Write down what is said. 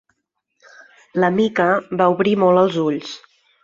La Mica va obrir molt els ulls.